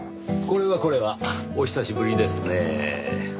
これはこれはお久しぶりですねぇ。